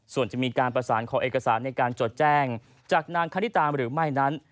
ส่วนจะมีการประสานขอเอกสารในการจดแจ้งจากนางคณิตาหรือไม่นั้น